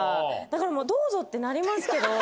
だからもうどうぞってなりますけど。